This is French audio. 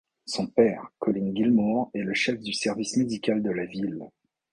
Son père, Colin Gilmour, est le Chef du service Médical de la ville.